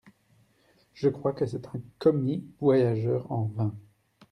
Je crois que c’est un commis voyageur en vins…